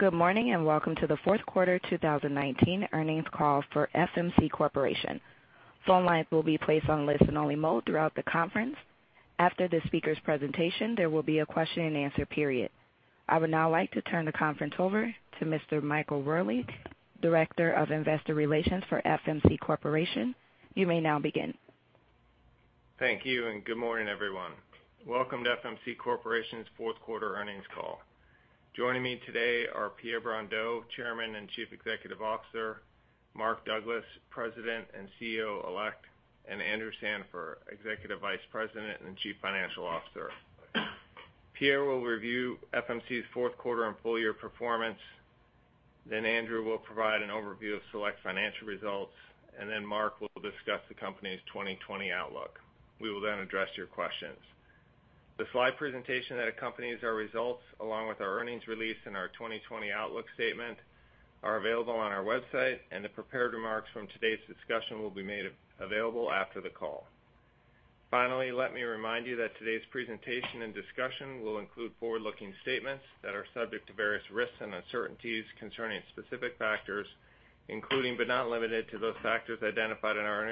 Good morning, welcome to the fourth quarter 2019 earnings call for FMC Corporation. Phone lines will be placed on listen-only mode throughout the conference. After the speaker's presentation, there will be a question-and-answer period. I would now like to turn the conference over to Mr. Michael Wherley, Director of Investor Relations for FMC Corporation. You may now begin. Thank you, and good morning, everyone. Welcome to FMC Corporation's fourth quarter earnings call. Joining me today are Pierre Brondeau, Chairman and Chief Executive Officer, Mark Douglas, President and CEO elect, and Andrew Sandifer, Executive Vice President and Chief Financial Officer. Pierre will review FMC's fourth quarter and full-year performance. Andrew will provide an overview of select financial results. Mark will discuss the company's 2020 outlook. We will then address your questions. The slide presentation that accompanies our results, along with our earnings release and our 2020 outlook statement, are available on our website. The prepared remarks from today's discussion will be made available after the call. Finally, let me remind you that today's presentation and discussion will include forward-looking statements that are subject to various risks and uncertainties concerning specific factors, including but not limited to those factors identified in our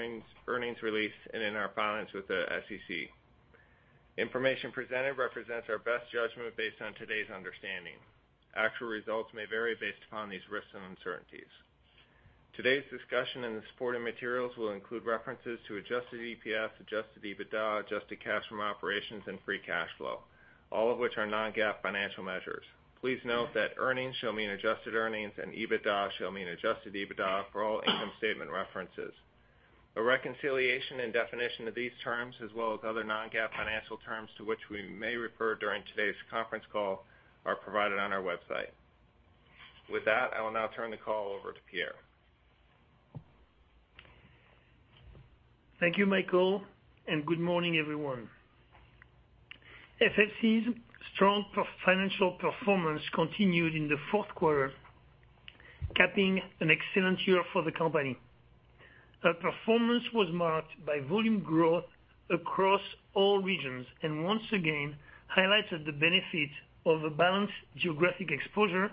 earnings release and in our filings with the SEC. Information presented represents our best judgment based on today's understanding. Actual results may vary based upon these risks and uncertainties. Today's discussion and the supporting materials will include references to adjusted EPS, adjusted EBITDA, adjusted cash from operations and free cash flow, all of which are non-GAAP financial measures. Please note that earnings show mean adjusted earnings and EBITDA shall mean adjusted EBITDA for all income statement references. A reconciliation and definition of these terms, as well as other non-GAAP financial terms to which we may refer during today's conference call, are provided on our website. With that, I will now turn the call over to Pierre. Thank you, Michael, and good morning, everyone. FMC's strong financial performance continued in the fourth quarter, capping an excellent year for the company. Our performance was marked by volume growth across all regions and once again highlighted the benefit of a balanced geographic exposure,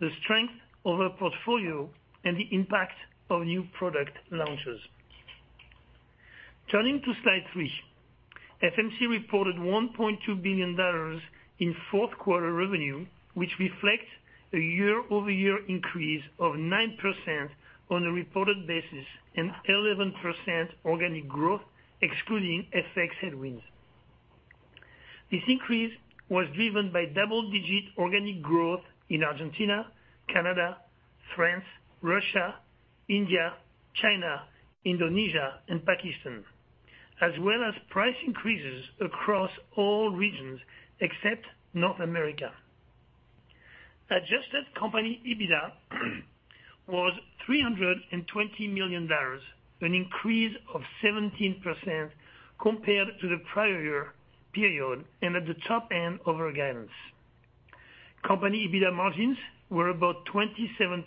the strength of our portfolio and the impact of new product launches. Turning to slide three, FMC reported $1.2 billion in fourth quarter revenue, which reflects a year-over-year increase of 9% on a reported basis and 11% organic growth excluding FX headwinds. This increase was driven by double-digit organic growth in Argentina, Canada, France, Russia, India, China, Indonesia and Pakistan, as well as price increases across all regions except North America. Adjusted company EBITDA was $320 million, an increase of 17% compared to the prior year period and at the top end of our guidance. Company EBITDA margins were about 27%,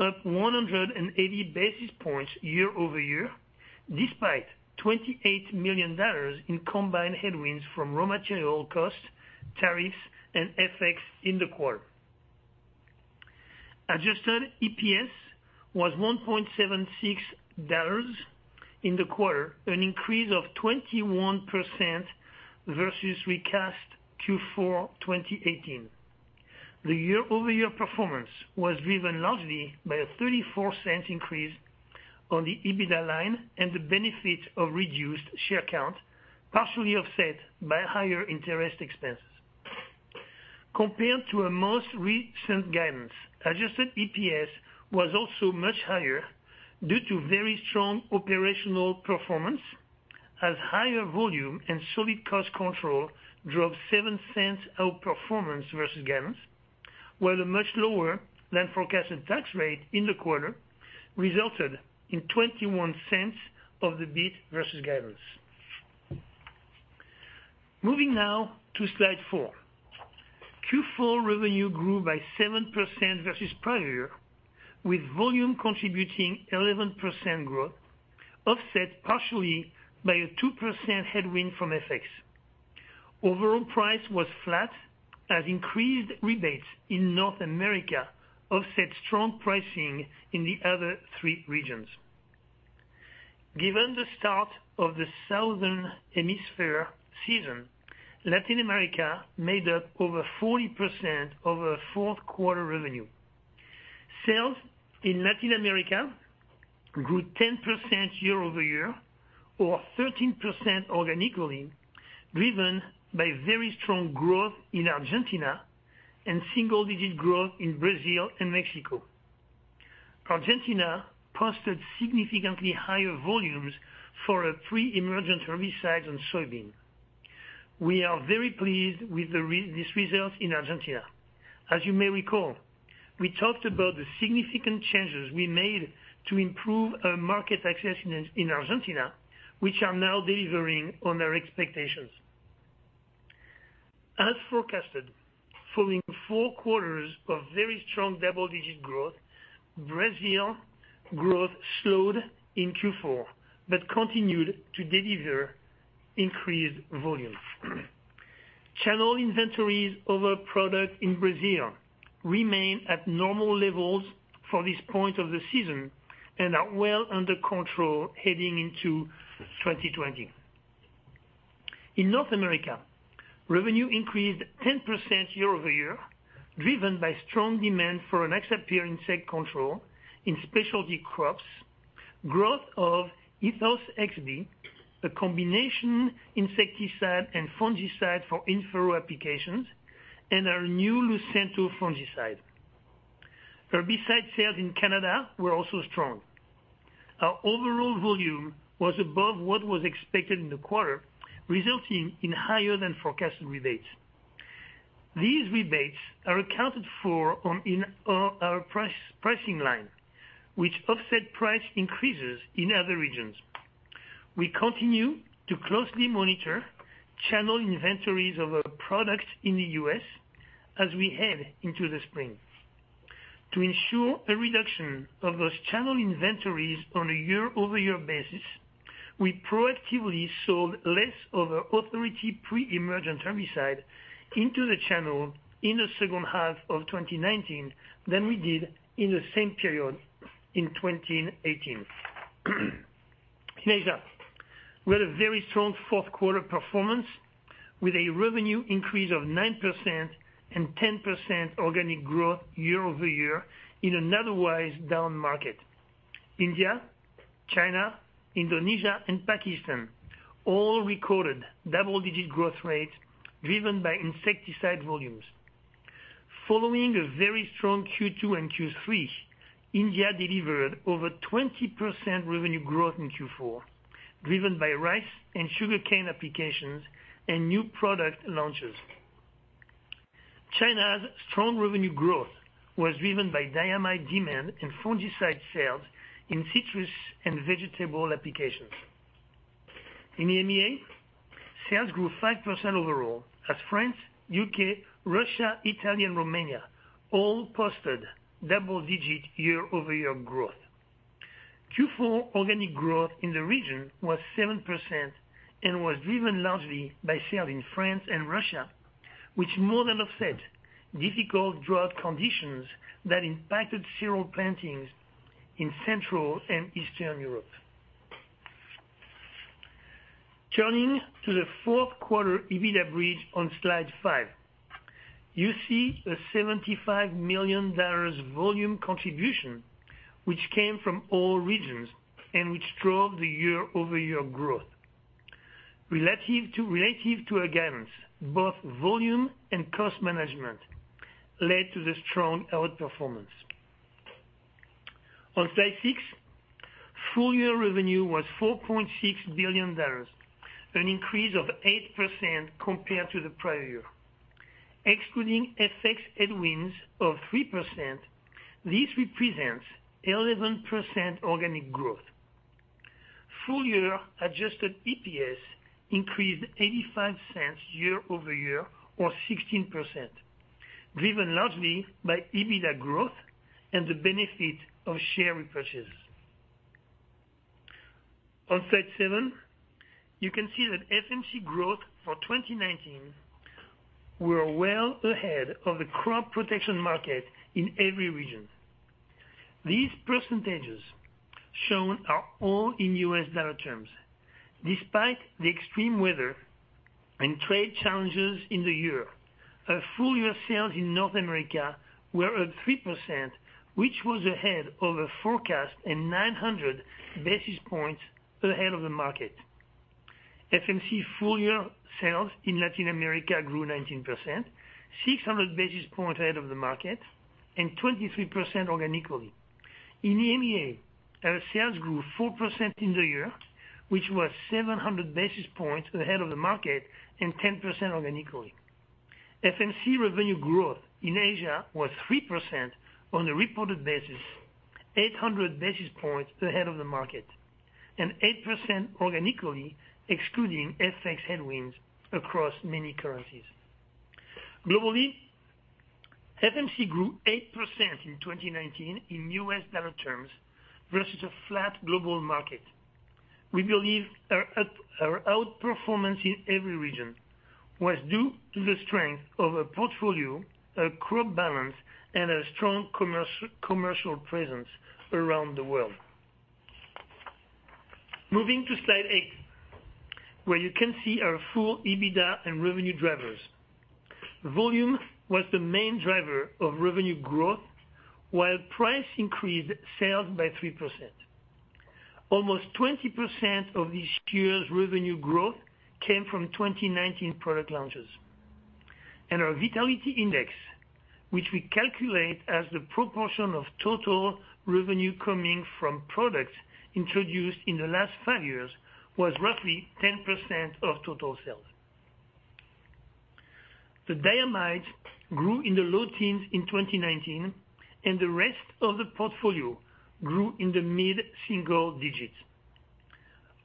up 180 basis points year-over-year, despite $28 million in combined headwinds from raw material costs, tariffs, and FX in the quarter. Adjusted EPS was $1.76 in the quarter, an increase of 21% versus recast Q4 2018. The year-over-year performance was driven largely by a $0.34 increase on the EBITDA line and the benefit of reduced share count, partially offset by higher interest expenses. Compared to our most recent guidance, adjusted EPS was also much higher due to very strong operational performance as higher volume and solid cost control drove $0.07 outperformance versus guidance, while a much lower than forecasted tax rate in the quarter resulted in $0.21 of the beat versus guidance. Moving now to slide four. Q4 revenue grew by 7% versus prior year, with volume contributing 11% growth, offset partially by a 2% headwind from FX. Overall price was flat as increased rebates in North America offset strong pricing in the other three regions. Given the start of the Southern Hemisphere season, Latin America made up over 40% of our fourth quarter revenue. Sales in Latin America grew 10% year-over-year or 13% organically, driven by very strong growth in Argentina and single-digit growth in Brazil and Mexico. Argentina posted significantly higher volumes for our three pre-emergent herbicides on soybean. We are very pleased with these results in Argentina. As you may recall, we talked about the significant changes we made to improve our market access in Argentina, which are now delivering on our expectations. As forecasted, following four quarters of very strong double-digit growth, Brazil growth slowed in Q4 but continued to deliver increased volume. Channel inventories of our product in Brazil remain at normal levels for this point of the season and are well under control heading into 2020. In North America, revenue increased 10% year-over-year, driven by strong demand for Rynaxypyr insect control in specialty crops, growth of Ethos XB, a combination insecticide and fungicide for in-furrow applications, and our new Lucento fungicide. Herbicide sales in Canada were also strong. Our overall volume was above what was expected in the quarter, resulting in higher than forecasted rebates. These rebates are accounted for in our pricing line, which offset price increases in other regions. We continue to closely monitor channel inventories of our products in the U.S. as we head into the spring. To ensure a reduction of those channel inventories on a year-over-year basis, we proactively sold less of our Authority pre-emergent herbicide into the channel in the second half of 2019 than we did in the same period in 2018. In Asia, we had a very strong fourth quarter performance with a revenue increase of 9% and 10% organic growth year-over-year in an otherwise down market. India, China, Indonesia, and Pakistan all recorded double-digit growth rates driven by insecticide volumes. Following a very strong Q2 and Q3, India delivered over 20% revenue growth in Q4, driven by rice and sugarcane applications and new product launches. China's strong revenue growth was driven by diamide demand and fungicide sales in citrus and vegetable applications. In EMEA, sales grew 5% overall as France, U.K., Russia, Italy, and Romania all posted double-digit year-over-year growth. Q4 organic growth in the region was 7% and was driven largely by sales in France and Russia, which more than offset difficult drought conditions that impacted cereal plantings in Central and Eastern Europe. Turning to the fourth quarter EBITDA bridge on Slide five. You see a $75 million volume contribution, which came from all regions and which drove the year-over-year growth. Relative to FMC, both volume and cost management led to the strong outperformance. On Slide six, full-year revenue was $4.6 billion, an increase of 8% compared to the prior year. Excluding FX headwinds of 3%, this represents 11% organic growth. Full-year adjusted EPS increased $0.85 year-over-year or 16%, driven largely by EBITDA growth and the benefit of share repurchases. On Slide seven, you can see that FMC growth for 2019 were well ahead of the crop protection market in every region. These percentages shown are all in U.S. dollar terms. Despite the extreme weather and trade challenges in the year, our full-year sales in North America were up 3%, which was ahead of the forecast and 900 basis points ahead of the market. FMC full-year sales in Latin America grew 19%, 600 basis points ahead of the market and 23% organically. In EMEA, our sales grew 4% in the year, which was 700 basis points ahead of the market and 10% organically. FMC revenue growth in Asia was 3% on a reported basis, 800 basis points ahead of the market, and 8% organically excluding FX headwinds across many currencies. Globally, FMC grew 8% in 2019 in U.S. dollar terms versus a flat global market. We believe our outperformance in every region was due to the strength of our portfolio, our crop balance, and our strong commercial presence around the world. Moving to slide eight, where you can see our full EBITDA and revenue drivers. Volume was the main driver of revenue growth, while price increased sales by 3%. Almost 20% of this year's revenue growth came from 2019 product launches. Our Vitality Index, which we calculate as the proportion of total revenue coming from products introduced in the last five years, was roughly 10% of total sales. The diamides grew in the low teens in 2019, and the rest of the portfolio grew in the mid-single digits.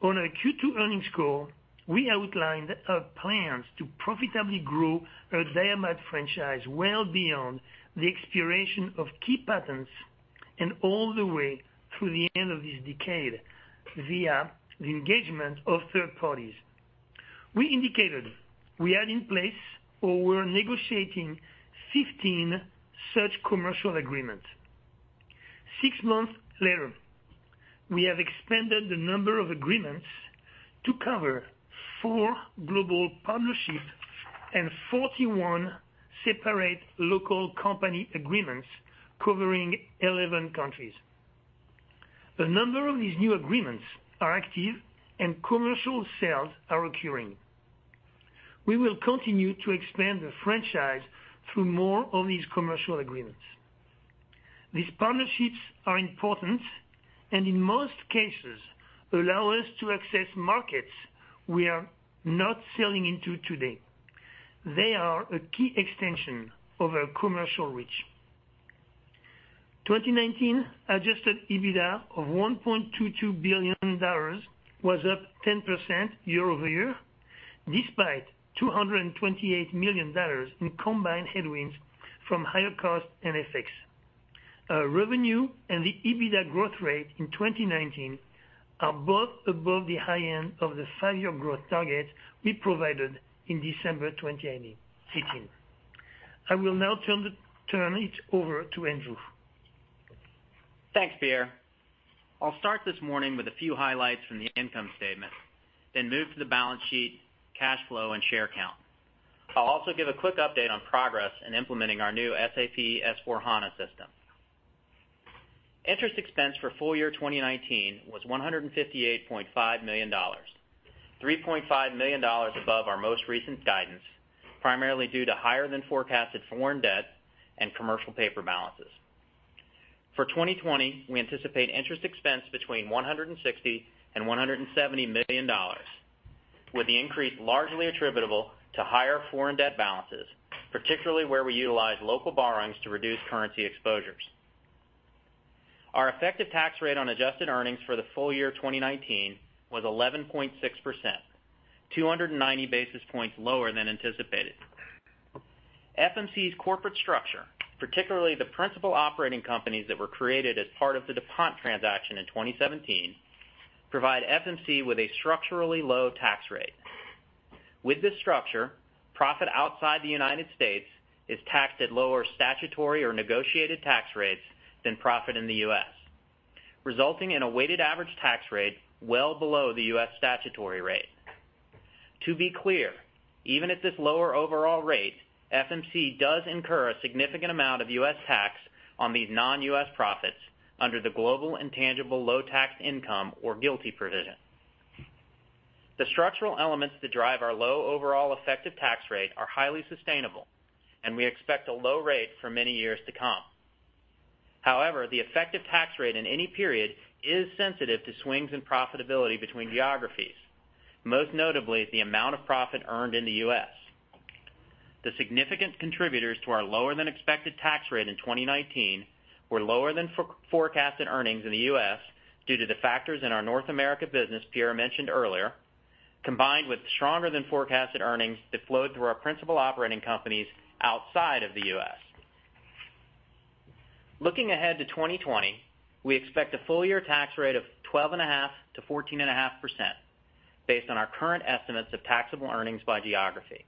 On our Q2 earnings call, we outlined our plans to profitably grow our diamide franchise well beyond the expiration of key patents and all the way through the end of this decade via the engagement of third parties. We indicated we had in place or were negotiating 15 such commercial agreements. Six months later, we have expanded the number of agreements to cover four global partnerships and 41 separate local company agreements covering 11 countries. A number of these new agreements are active and commercial sales are occurring. We will continue to expand the franchise through more of these commercial agreements. These partnerships are important and in most cases allow us to access markets we are not selling into today. They are a key extension of our commercial reach. 2019 adjusted EBITDA of $1.22 billion was up 10% year-over-year, despite $228 million in combined headwinds from higher costs and FX. Revenue and the EBITDA growth rate in 2019 are both above the high end of the five-year growth target we provided in December 2018. I will now turn it over to Andrew. Thanks, Pierre. I'll start this morning with a few highlights from the income statement, then move to the balance sheet, cash flow, and share count. I'll also give a quick update on progress in implementing our new SAP S/4HANA system. Interest expense for full-year 2019 was $158.5 million, $3.5 million above our most recent guidance, primarily due to higher than forecasted foreign debt and commercial paper balances. For 2020, we anticipate interest expense between $160 million and $170 million, with the increase largely attributable to higher foreign debt balances, particularly where we utilize local borrowings to reduce currency exposures. Our effective tax rate on adjusted earnings for the full-year 2019 was 11.6%, 290 basis points lower than anticipated. FMC's corporate structure, particularly the principal operating companies that were created as part of the DuPont transaction in 2017, provide FMC with a structurally low tax rate. With this structure, profit outside the U.S. is taxed at lower statutory or negotiated tax rates than profit in the U.S., resulting in a weighted average tax rate well below the U.S. statutory rate. To be clear, even at this lower overall rate, FMC does incur a significant amount of U.S. tax on these non-U.S. profits under the Global Intangible Low-Taxed Income, or GILTI, provision. The structural elements that drive our low overall effective tax rate are highly sustainable, and we expect a low rate for many years to come. However, the effective tax rate in any period is sensitive to swings in profitability between geographies, most notably the amount of profit earned in the U.S. The significant contributors to our lower than expected tax rate in 2019 were lower than forecasted earnings in the U.S. due to the factors in our North America business Pierre mentioned earlier, combined with stronger than forecasted earnings that flowed through our principal operating companies outside of the U.S. Looking ahead to 2020, we expect a full-year tax rate of 12.5%-14.5% based on our current estimates of taxable earnings by geography.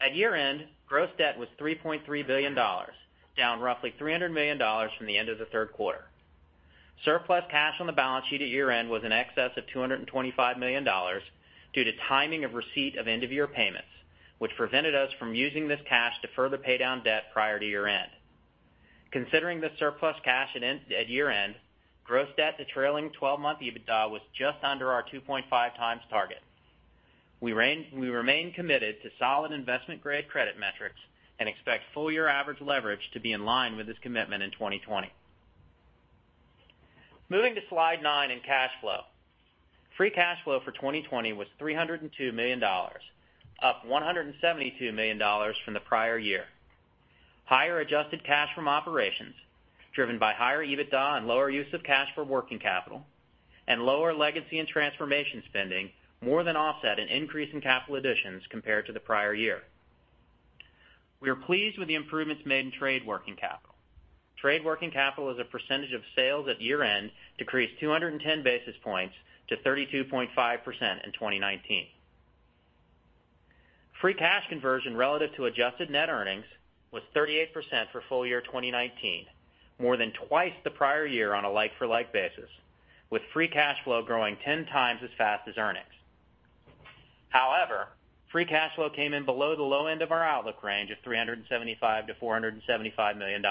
At year-end, gross debt was $3.3 billion, down roughly $300 million from the end of the third quarter. Surplus cash on the balance sheet at year-end was in excess of $225 million due to timing of receipt of end-of-year payments, which prevented us from using this cash to further pay down debt prior to year-end. Considering the surplus cash at year-end, gross debt to trailing 12-month EBITDA was just under our 2.5x target. We remain committed to solid investment-grade credit metrics and expect full-year average leverage to be in line with this commitment in 2020. Moving to slide nine in cash flow. Free cash flow for 2020 was $302 million, up $172 million from the prior year. Higher adjusted cash from operations, driven by higher EBITDA and lower use of cash for working capital and lower legacy and transformation spending more than offset an increase in capital additions compared to the prior year. We are pleased with the improvements made in trade working capital. Trade working capital as a percentage of sales at year-end decreased 210 basis points to 32.5% in 2019. Free cash conversion relative to adjusted net earnings was 38% for full-year 2019, more than twice the prior year on a like-for-like basis, with free cash flow growing 10x as fast as earnings. However, free cash flow came in below the low end of our outlook range of $375 million-$475 million.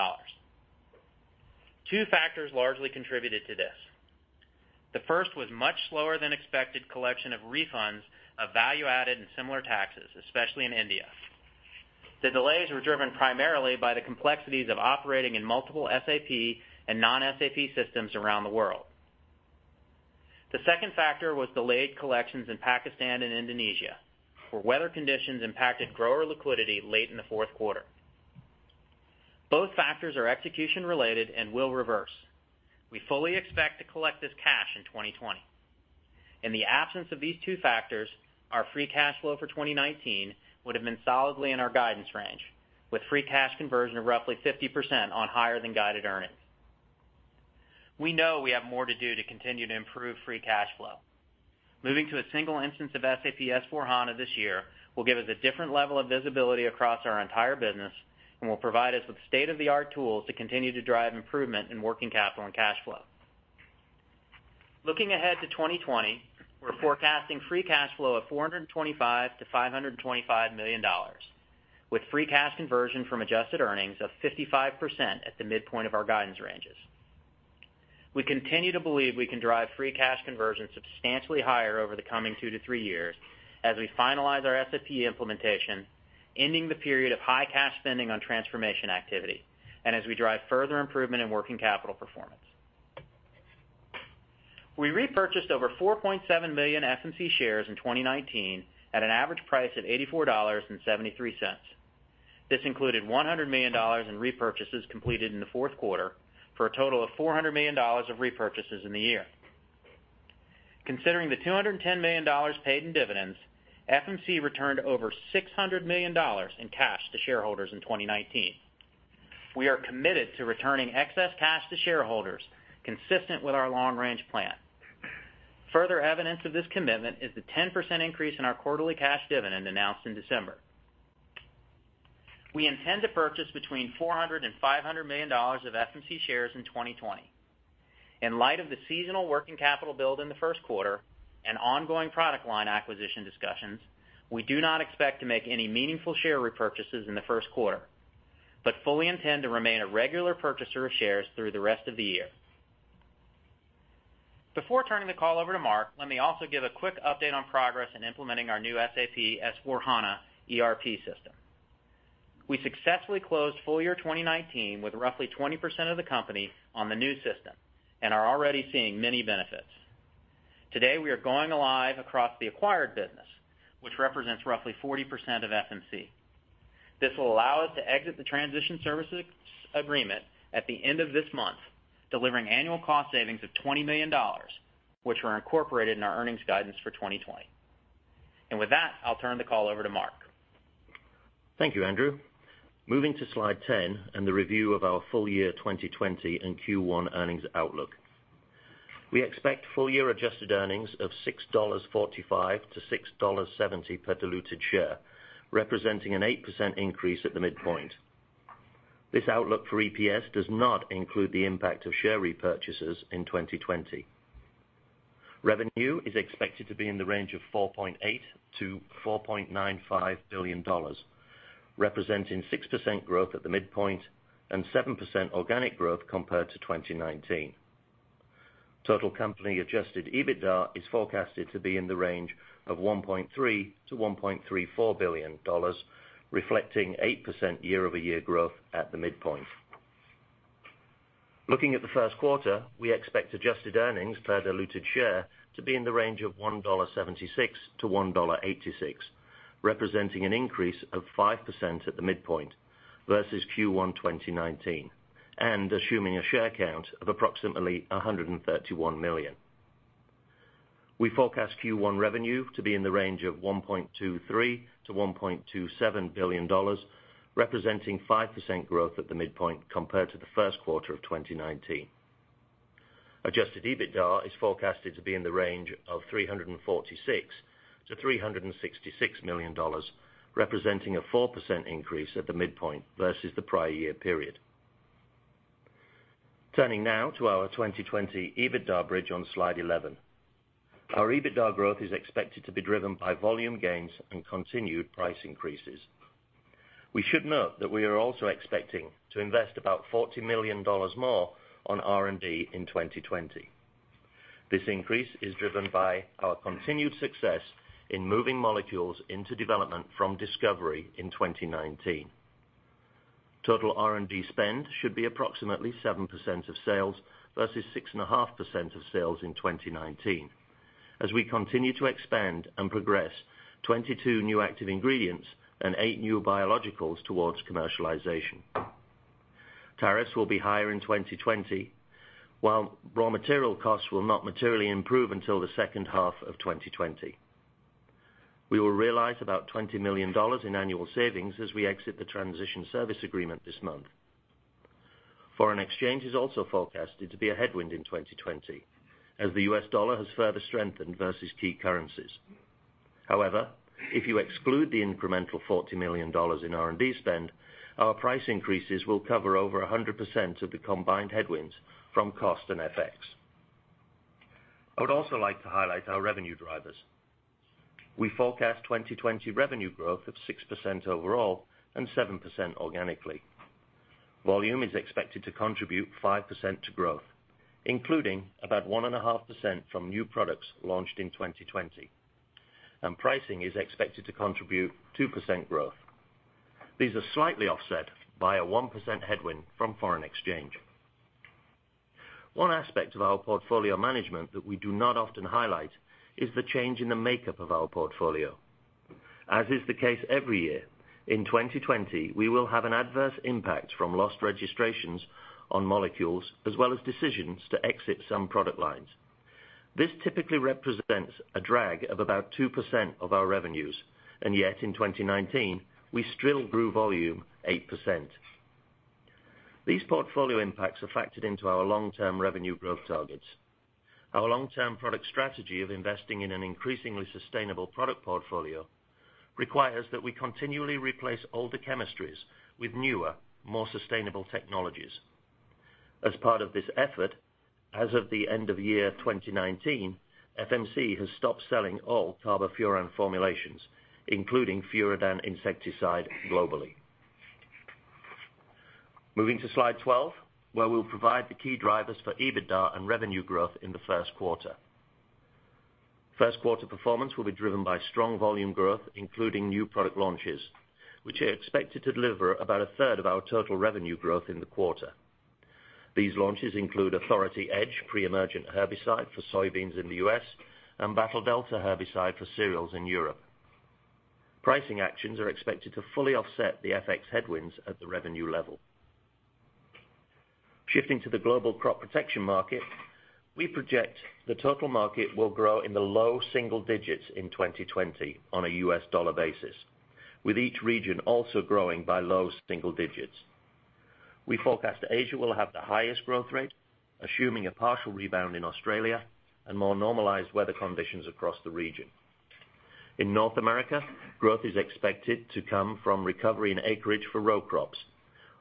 Two factors largely contributed to this. The first was much slower than expected collection of refunds of value added and similar taxes, especially in India. The delays were driven primarily by the complexities of operating in multiple SAP and non-SAP systems around the world. The second factor was delayed collections in Pakistan and Indonesia, where weather conditions impacted grower liquidity late in the fourth quarter. Both factors are execution-related and will reverse. We fully expect to collect this cash in 2020. In the absence of these two factors, our free cash flow for 2019 would have been solidly in our guidance range, with free cash conversion of roughly 50% on higher than guided earnings. We know we have more to do to continue to improve free cash flow. Moving to a single instance of SAP S/4HANA this year will give us a different level of visibility across our entire business and will provide us with state-of-the-art tools to continue to drive improvement in working capital and cash flow. Looking ahead to 2020, we're forecasting free cash flow of $425 million-$525 million, with free cash conversion from adjusted earnings of 55% at the midpoint of our guidance ranges. We continue to believe we can drive free cash conversion substantially higher over the coming two to three years as we finalize our SAP implementation, ending the period of high cash spending on transformation activity, and as we drive further improvement in working capital performance. We repurchased over 4.7 million FMC shares in 2019 at an average price of $84.73. This included $100 million in repurchases completed in the fourth quarter for a total of $400 million of repurchases in the year. Considering the $210 million paid in dividends, FMC returned over $600 million in cash to shareholders in 2019. We are committed to returning excess cash to shareholders consistent with our long-range plan. Further evidence of this commitment is the 10% increase in our quarterly cash dividend announced in December. We intend to purchase between $400 million and $500 million of FMC shares in 2020. In light of the seasonal working capital build in the first quarter and ongoing product line acquisition discussions, we do not expect to make any meaningful share repurchases in the first quarter, but fully intend to remain a regular purchaser of shares through the rest of the year. Before turning the call over to Mark, let me also give a quick update on progress in implementing our new SAP S/4HANA ERP system. We successfully closed full-year 2019 with roughly 20% of the company on the new system and are already seeing many benefits. Today, we are going live across the acquired business, which represents roughly 40% of FMC. This will allow us to exit the transition services agreement at the end of this month, delivering annual cost savings of $20 million, which were incorporated in our earnings guidance for 2020. With that, I'll turn the call over to Mark. Thank you, Andrew. Moving to slide 10 and the review of our full-year 2020 and Q1 earnings outlook. We expect full-year adjusted earnings of $6.45-$6.70 per diluted share, representing an 8% increase at the midpoint. This outlook for EPS does not include the impact of share repurchases in 2020. Revenue is expected to be in the range of $4.8 billion-$4.95 billion, representing 6% growth at the midpoint and 7% organic growth compared to 2019. Total company adjusted EBITDA is forecasted to be in the range of $1.3 billion-$1.34 billion, reflecting 8% year-over-year growth at the midpoint. Looking at the first quarter, we expect adjusted earnings per diluted share to be in the range of $1.76-$1.86, representing an increase of 5% at the midpoint versus Q1 2019, and assuming a share count of approximately 131 million. We forecast Q1 revenue to be in the range of $1.23 billion-$1.27 billion, representing 5% growth at the midpoint compared to the first quarter of 2019. Adjusted EBITDA is forecasted to be in the range of $346 million-$366 million, representing a 4% increase at the midpoint versus the prior year period. Turning now to our 2020 EBITDA bridge on slide 11. Our EBITDA growth is expected to be driven by volume gains and continued price increases. We should note that we are also expecting to invest about $40 million more on R&D in 2020. This increase is driven by our continued success in moving molecules into development from discovery in 2019. Total R&D spend should be approximately 7% of sales versus 6.5% of sales in 2019 as we continue to expand and progress 22 new active ingredients and eight new biologicals towards commercialization. Tariffs will be higher in 2020, while raw material costs will not materially improve until the second half of 2020. We will realize about $20 million in annual savings as we exit the transition service agreement this month. Foreign exchange is also forecasted to be a headwind in 2020 as the U.S. dollar has further strengthened versus key currencies. However, if you exclude the incremental $40 million in R&D spend, our price increases will cover over 100% of the combined headwinds from cost and FX. I would also like to highlight our revenue drivers. We forecast 2020 revenue growth of 6% overall and 7% organically. Volume is expected to contribute 5% to growth, including about 1.5% from new products launched in 2020. Pricing is expected to contribute 2% growth. These are slightly offset by a 1% headwind from foreign exchange. One aspect of our portfolio management that we do not often highlight is the change in the makeup of our portfolio. As is the case every year, in 2020, we will have an adverse impact from lost registrations on molecules, as well as decisions to exit some product lines. This typically represents a drag of about 2% of our revenues, and yet in 2019, we still grew volume 8%. These portfolio impacts are factored into our long-term revenue growth targets. Our long-term product strategy of investing in an increasingly sustainable product portfolio requires that we continually replace older chemistries with newer, more sustainable technologies. As part of this effort, as of the end of year 2019, FMC has stopped selling all carbofuran formulations, including Furadan insecticide globally. Moving to slide 12, where we'll provide the key drivers for EBITDA and revenue growth in the first quarter. First quarter performance will be driven by strong volume growth, including new product launches, which are expected to deliver about a third of our total revenue growth in the quarter. These launches include Authority Edge pre-emergent herbicide for soybeans in the U.S. and Battle Delta herbicide for cereals in Europe. Pricing actions are expected to fully offset the FX headwinds at the revenue level. Shifting to the global crop protection market, we project the total market will grow in the low single digits in 2020 on a U.S. dollar basis, with each region also growing by low single digits. We forecast Asia will have the highest growth rate, assuming a partial rebound in Australia and more normalized weather conditions across the region. In North America, growth is expected to come from recovery in acreage for row crops,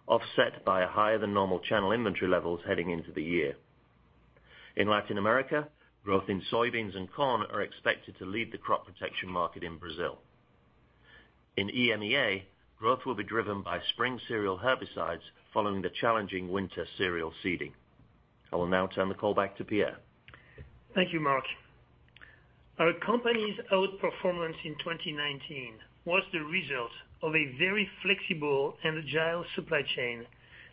offset by a higher than normal channel inventory levels heading into the year. In Latin America, growth in soybeans and corn are expected to lead the crop protection market in Brazil. In EMEA, growth will be driven by spring cereal herbicides following the challenging winter cereal seeding. I will now turn the call back to Pierre. Thank you, Mark. Our company's outperformance in 2019 was the result of a very flexible and agile supply chain,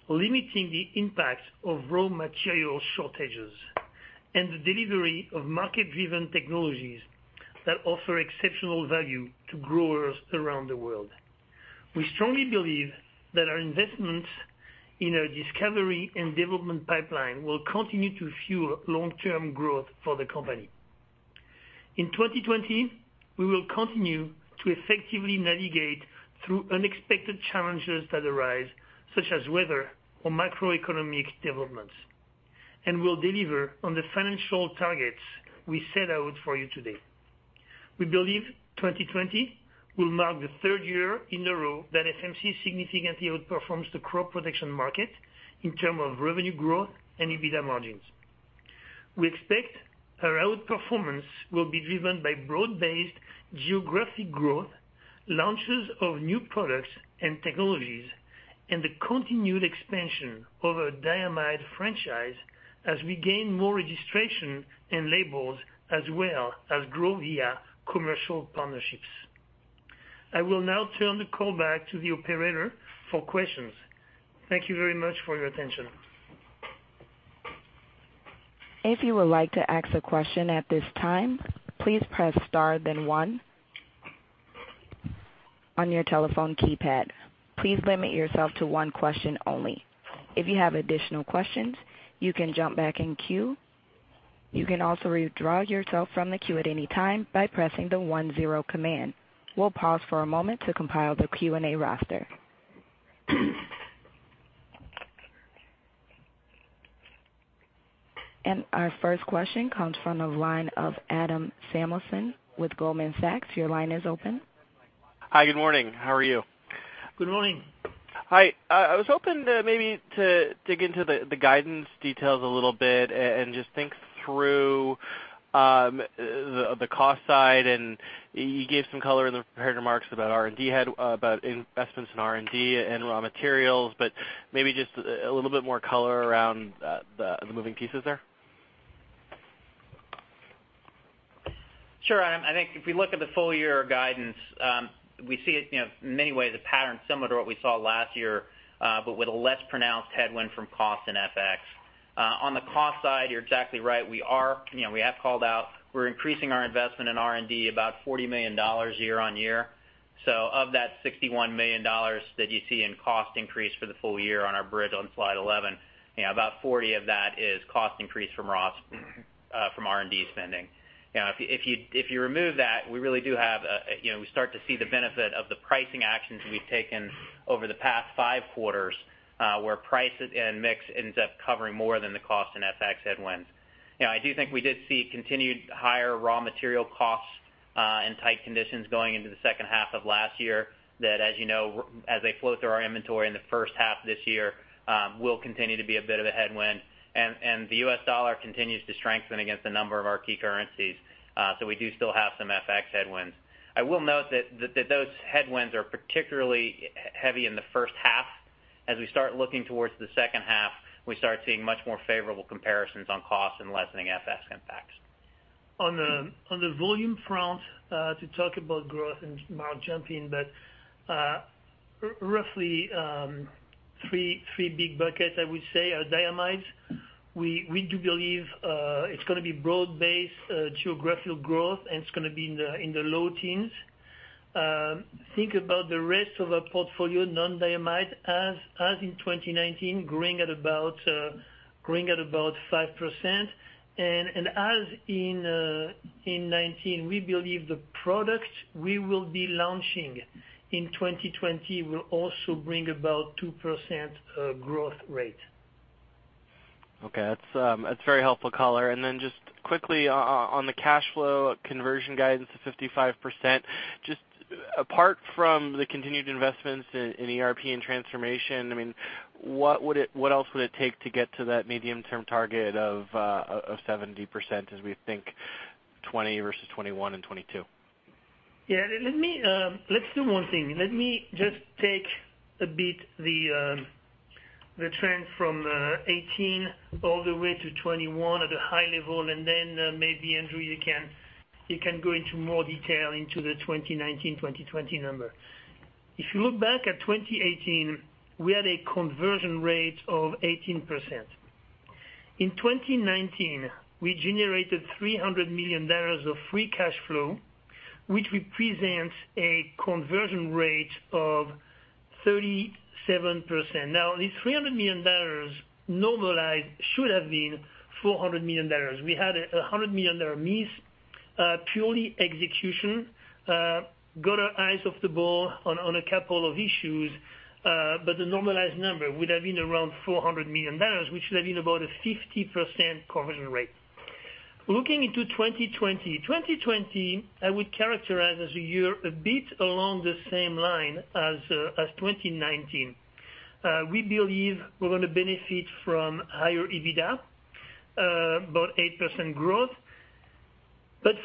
limiting the impact of raw material shortages and the delivery of market-driven technologies that offer exceptional value to growers around the world. We strongly believe that our investments in our discovery and development pipeline will continue to fuel long-term growth for the company. In 2020, we will continue to effectively navigate through unexpected challenges that arise, such as weather or macroeconomic developments. We'll deliver on the financial targets we set out for you today. We believe 2020 will mark the third year in a row that FMC significantly outperforms the crop protection market in term of revenue growth and EBITDA margins. We expect our outperformance will be driven by broad-based geographic growth, launches of new products and technologies, and the continued expansion of our diamide franchise as we gain more registration and labels as well as grow via commercial partnerships. I will now turn the call back to the operator for questions. Thank you very much for your attention. If you would like to ask a question at this time, please press star then one on your telephone keypad. Please limit yourself to one question only. If you have additional questions, you can jump back in queue. You can also withdraw yourself from the queue at any time by pressing the one zero command. We'll pause for a moment to compile the Q&A roster. Our first question comes from the line of Adam Samuelson with Goldman Sachs. Your line is open. Hi, good morning. How are you? Good morning. Hi. I was hoping to maybe to dig into the guidance details a little bit and just think through the cost side, and you gave some color in the prepared remarks about investments in R&D and raw materials, but maybe just a little bit more color around the moving pieces there. Sure, Adam. I think if we look at the full-year guidance, we see it, in many ways, a pattern similar to what we saw last year, with a less pronounced headwind from cost and FX. On the cost side, you're exactly right. We have called out we're increasing our investment in R&D about $40 million year-on-year. Of that $61 million that you see in cost increase for the full-year on our bridge on slide 11, about 40 of that is cost increase from R&D spending. If you remove that, we start to see the benefit of the pricing actions we've taken over the past five quarters, where price and mix ends up covering more than the cost and FX headwinds. I do think we did see continued higher raw material costs, and tight conditions going into the second half of last year that as you know, as they flow through our inventory in the first half this year, will continue to be a bit of a headwind, and the U.S. dollar continues to strengthen against a number of our key currencies. We do still have some FX headwinds. I will note that those headwinds are particularly heavy in the first half. As we start looking towards the second half, we start seeing much more favorable comparisons on cost and lessening FX impacts. On the volume front, to talk about growth and Mark jump in, Roughly three big buckets, I would say, are diamides. We do believe it's going to be broad-based geographical growth, and it's going to be in the low teens. Think about the rest of our portfolio, non-diamide, as in 2019, growing at about 5%. As in 2019, we believe the products we will be launching in 2020 will also bring about 2% growth rate. Okay. That's very helpful, Colin. Then just quickly on the cash flow conversion guidance to 55%, just apart from the continued investments in ERP and transformation, what else would it take to get to that medium-term target of 70% as we think 2020 versus 2021 and 2022? Yeah. Let's do one thing. Let me just take a bit the trend from 2018 all the way to 2021 at a high level, and then maybe, Andrew, you can go into more detail into the 2019, 2020 number. If you look back at 2018, we had a conversion rate of 18%. In 2019, we generated $300 million of free cash flow, which represents a conversion rate of 37%. Now, this $300 million normalized should have been $400 million. We had $100 million miss. Purely execution. Got our eyes off the ball on a couple of issues. The normalized number would have been around $400 million, which would have been about a 50% conversion rate. Looking into 2020. 2020, I would characterize as a year a bit along the same line as 2019. We believe we're going to benefit from higher EBITDA, about 8% growth.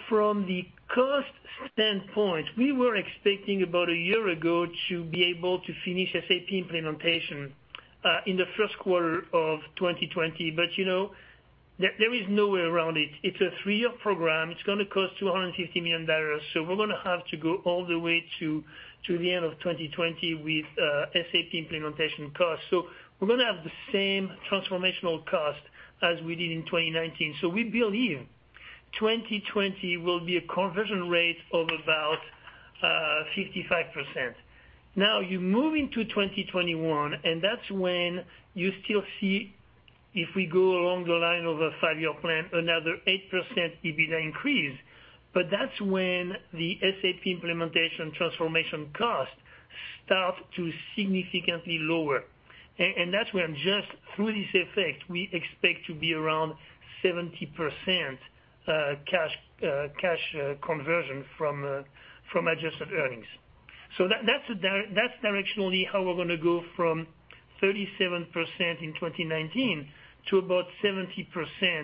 From the cost standpoint, we were expecting about a year ago to be able to finish SAP implementation in the first quarter of 2020. There is no way around it. It's a three-year program. It's going to cost $250 million. We're going to have to go all the way to the end of 2020 with SAP implementation costs. We're going to have the same transformational cost as we did in 2019. We believe 2020 will be a conversion rate of about 55%. You move into 2021, and that's when you still see, if we go along the line of a five-year plan, another 8% EBITDA increase. That's when the SAP implementation transformation cost start to significantly lower. That's when just through this effect, we expect to be around 70% cash conversion from adjusted earnings. That's directionally how we're going to go from 37% in 2019 to about 70%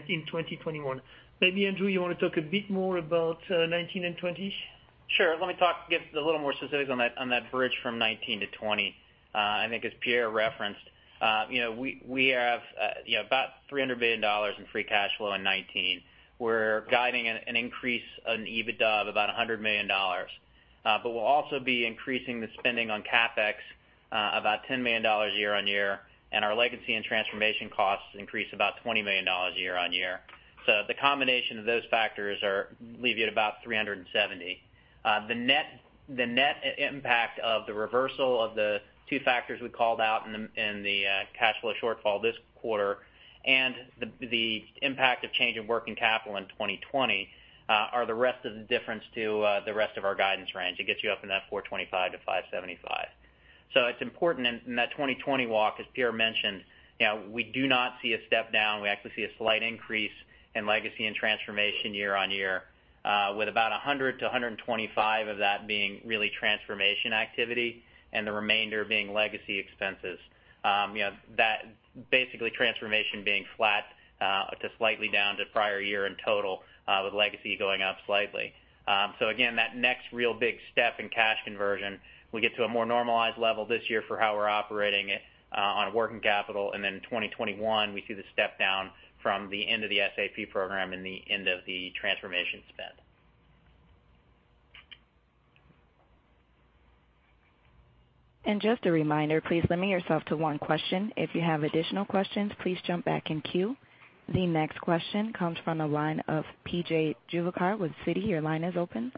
in 2021. Maybe, Andrew, you want to talk a bit more about 2019 and 2020? Sure. Let me get a little more specific on that bridge from 2019-2020. I think as Pierre referenced, we have about $300 million in free cash flow in 2019. We're guiding an increase in EBITDA of about $100 million. We'll also be increasing the spending on CapEx, about $10 million year-on-year, and our legacy and transformation costs increase about $20 million year-on-year. The combination of those factors leave you at about $370 million. The net impact of the reversal of the two factors we called out in the cash flow shortfall this quarter and the impact of change in working capital in 2020 are the rest of the difference to the rest of our guidance range. It gets you up in that $425 million-$575 million. It's important in that 2020 walk, as Pierre mentioned, we do not see a step down. We actually see a slight increase in legacy and transformation year-on-year with about $100 million-$125 million of that being really transformation activity and the remainder being legacy expenses. Transformation being flat to slightly down to prior year in total with legacy going up slightly. Again, that next real big step in cash conversion, we get to a more normalized level this year for how we're operating on working capital. 2021, we see the step down from the end of the SAP program and the end of the transformation spend. Just a reminder, please limit yourself to one question. If you have additional questions, please jump back in queue. The next question comes from the line of P.J. Juvekar with Citi. Your line is open.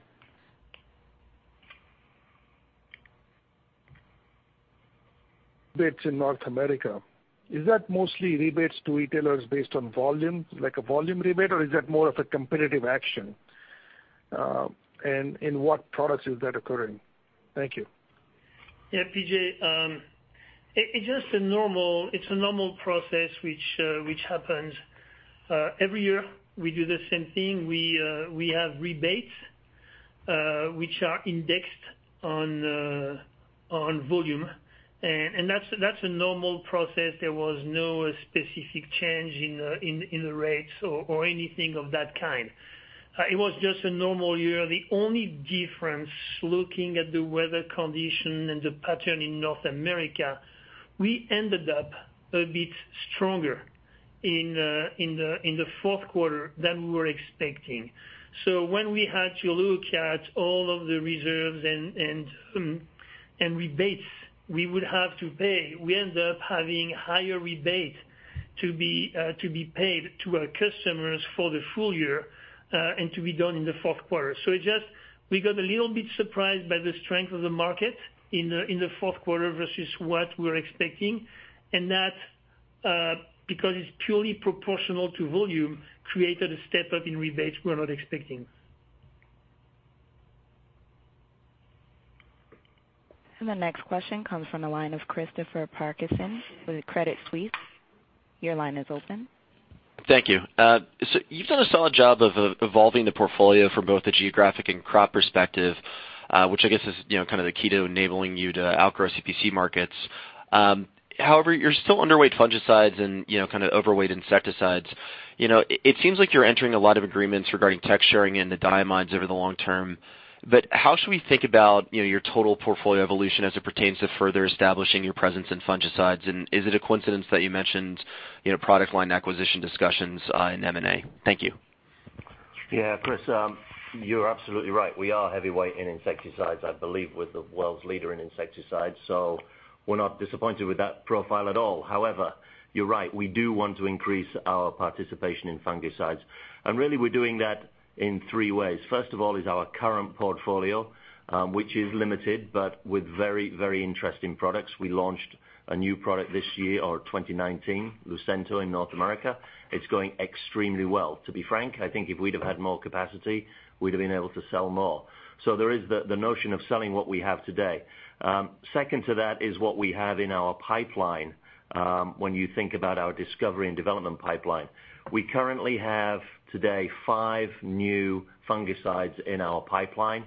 in North America. Is that mostly rebates to retailers based on volume, like a volume rebate, or is that more of a competitive action? In what products is that occurring? Thank you. Yeah, P.J. It's a normal process which happens every year. We do the same thing. We have rebates which are indexed on volume. That's a normal process. There was no specific change in the rates or anything of that kind. It was just a normal year. The only difference, looking at the weather condition and the pattern in North America, we ended up a bit stronger in the fourth quarter than we were expecting. When we had to look at all of the reserves and rebates we would have to pay, we end up having higher rebate to be paid to our customers for the full-year, and to be done in the fourth quarter. We got a little bit surprised by the strength of the market in the fourth quarter versus what we were expecting, and that, because it's purely proportional to volume, created a step-up in rebates we were not expecting. The next question comes from the line of Christopher Parkinson with Credit Suisse. Your line is open. Thank you. You've done a solid job of evolving the portfolio from both the geographic and crop perspective, which I guess is, kind of the key to enabling you to outgrow CPC markets. However, you're still underweight fungicides and kind of overweight insecticides. It seems like you're entering a lot of agreements regarding tech sharing in the diamides over the long-term, but how should we think about your total portfolio evolution as it pertains to further establishing your presence in fungicides? Is it a coincidence that you mentioned product line acquisition discussions in M&A? Thank you. Yeah. Chris, you're absolutely right. We are heavyweight in insecticides, I believe we're the world's leader in insecticides. We're not disappointed with that profile at all. However, you're right, we do want to increase our participation in fungicides. Really we're doing that in three ways. First of all is our current portfolio, which is limited, but with very interesting products. We launched a new product this year, or 2019, Lucento in North America. It's going extremely well. To be frank, I think if we'd have had more capacity, we'd have been able to sell more. There is the notion of selling what we have today. Second to that is what we have in our pipeline, when you think about our discovery and development pipeline. We currently have today five new fungicides in our pipeline,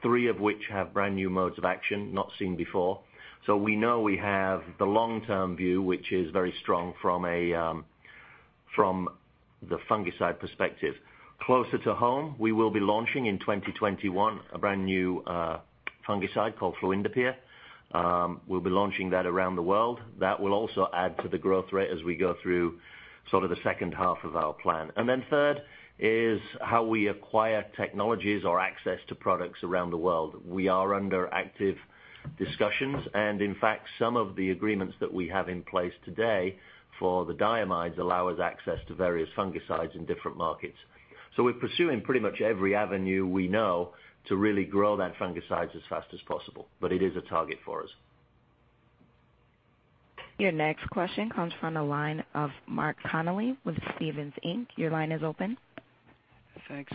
three of which have brand-new modes of action not seen before. We know we have the long-term view, which is very strong from the fungicide perspective. Closer to home, we will be launching in 2021, a brand-new fungicide called fluindapyr. We'll be launching that around the world. That will also add to the growth rate as we go through sort of the second half of our plan. Third is how we acquire technologies or access to products around the world. We are under active discussions and in fact, some of the agreements that we have in place today for the diamides allow us access to various fungicides in different markets. We're pursuing pretty much every avenue we know to really grow that fungicides as fast as possible. It is a target for us. Your next question comes from the line of Mark Connelly with Stephens Inc. Your line is open. Thanks.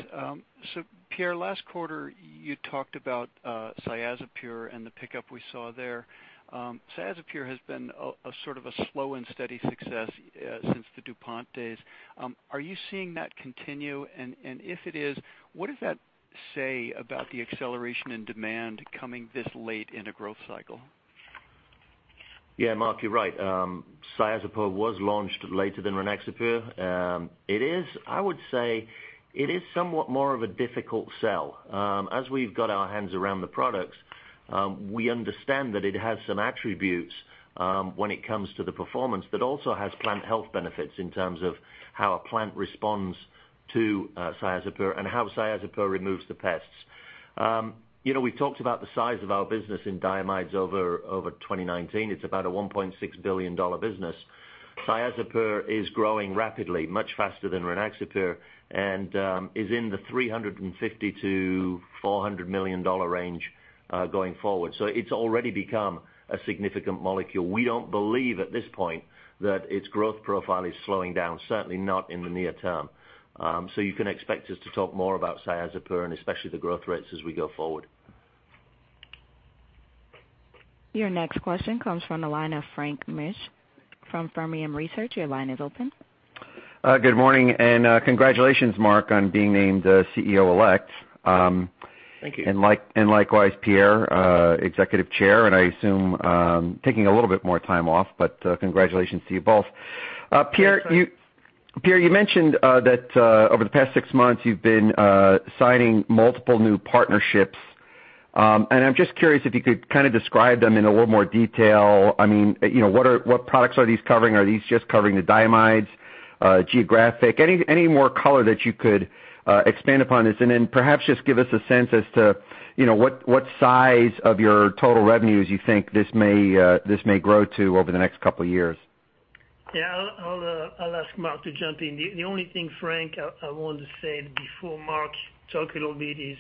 Pierre, last quarter you talked about Cyazypyr and the pickup we saw there. Cyazypyr has been a sort of a slow and steady success since the DuPont days. Are you seeing that continue? If it is, what does that say about the acceleration in demand coming this late in a growth cycle? Mark, you're right. Cyazypyr was launched later than Rynaxypyr. I would say it is somewhat more of a difficult sell. As we've got our hands around the products, we understand that it has some attributes when it comes to the performance, but also has plant health benefits in terms of how a plant responds to Cyazypyr and how Cyazypyr removes the pests. We've talked about the size of our business in diamides over 2019. It's about a $1.6 billion business. Cyazypyr is growing rapidly, much faster than Rynaxypyr, and is in the $350 million-$400 million range, going forward. It's already become a significant molecule. We don't believe at this point that its growth profile is slowing down, certainly not in the near-term. You can expect us to talk more about Cyazypyr and especially the growth rates as we go forward. Your next question comes from the line of Frank Mitsch from Fermium Research. Your line is open. Good morning and congratulations, Mark, on being named CEO elect. Thank you. Likewise, Pierre, executive chair, and I assume, taking a little bit more time off, but congratulations to you both. Pierre, you mentioned that over the past six months you've been signing multiple new partnerships. I'm just curious if you could kind of describe them in a little more detail. What products are these covering? Are these just covering the diamides, geographic? Any more color that you could expand upon this, and then perhaps just give us a sense as to what size of your total revenues you think this may grow to over the next couple of years? Yeah. I'll ask Mark to jump in. The only thing, Frank, I want to say before Mark talk a little bit is,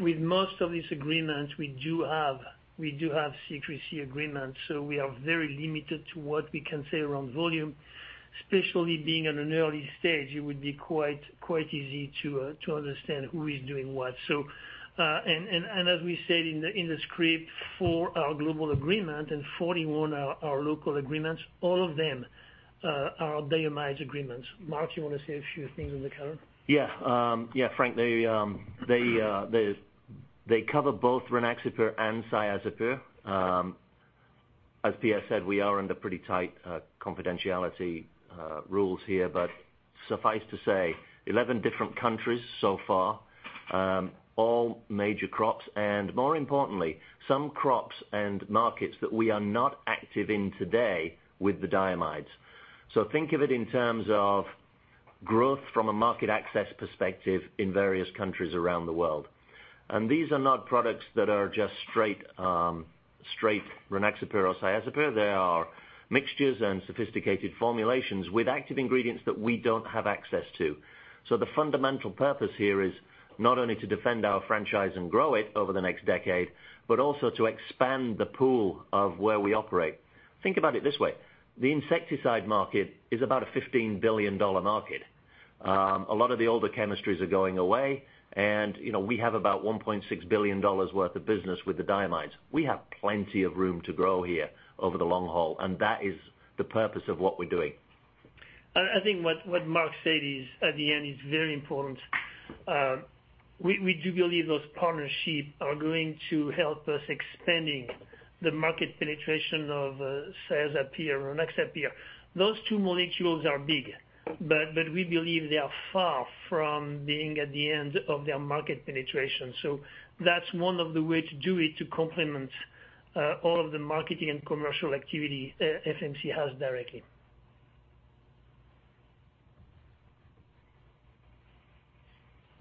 with most of these agreements, we do have secrecy agreements, so we are very limited to what we can say around volume. Especially being in an early stage, it would be quite easy to understand who is doing what. As we said in the script, four are global agreement and 41 are local agreements. All of them are diamides agreements. Mark, you want to say a few things on the cover? Yeah. Frank, they cover both Rynaxypyr and Cyazypyr. As Pierre said, we are under pretty tight confidentiality rules here. Suffice to say, 11 different countries so far, all major crops, and more importantly, some crops and markets that we are not active in today with the diamides. Think of it in terms of growth from a market access perspective in various countries around the world. These are not products that are just straight Rynaxypyr or Cyazypyr. They are mixtures and sophisticated formulations with active ingredients that we don't have access to. The fundamental purpose here is not only to defend our franchise and grow it over the next decade, but also to expand the pool of where we operate. Think about it this way. The insecticide market is about a $15 billion market. A lot of the older chemistries are going away, and we have about $1.6 billion worth of business with the diamides. We have plenty of room to grow here over the long haul, and that is the purpose of what we're doing. I think what Mark said at the end is very important. We do believe those partnerships are going to help us expanding the market penetration of Cyazypyr, Rynaxypyr. Those two molecules are big, but we believe they are far from being at the end of their market penetration. That's one of the way to do it, to complement all of the marketing and commercial activity FMC has directly.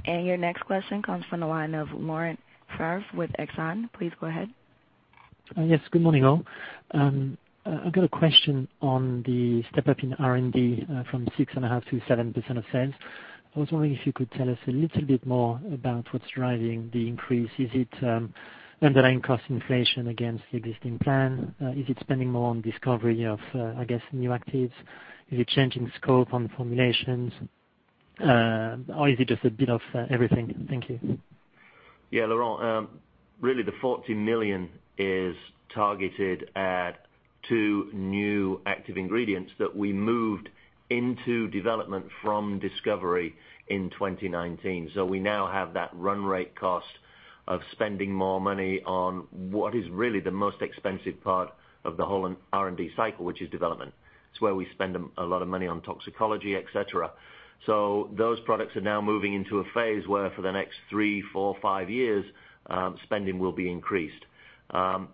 Your next question comes from the line of Laurent Favre with Exane. Please go ahead. Yes. Good morning, all. I've got a question on the step-up in R&D from 6.5%-7% of sales. I was wondering if you could tell us a little bit more about what's driving the increase. Is it underlying cost inflation against the existing plan? Is it spending more on discovery of, I guess, new actives? Is it change in scope on formulations? Is it just a bit of everything? Thank you. Yeah, Laurent. Really the $40 million is targeted at two new active ingredients that we moved into development from discovery in 2019. We now have that run rate cost of spending more money on what is really the most expensive part of the whole R&D cycle, which is development. It's where we spend a lot of money on toxicology, et cetera. Those products are now moving into a phase where for the next three, four, five years, spending will be increased. 7%